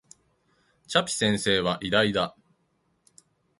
チャピ先生は偉大だ